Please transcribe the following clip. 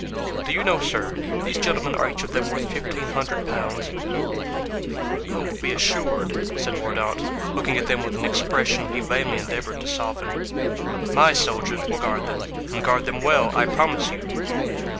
"Do you know, sir, these gentlemen are each of them worth fifteen hundred pounds?" "Oh, be assured," said Mordaunt, looking at them with an expression he vainly endeavoured to soften, "my soldiers will guard them, and guard them well, I promise you."